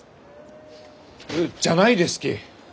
えっじゃないですき！